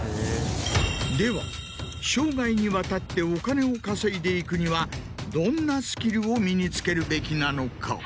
では生涯にわたってお金を稼いでいくにはどんなスキルを身に付けるべきなのか？